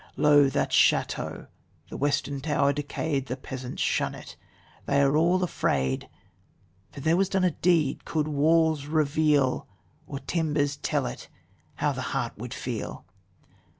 Lo! that chateau, the western tower decayed, The peasants shun it they are all afraid; For there was done a deed could walls reveal Or timbers tell it, how the heart would feel!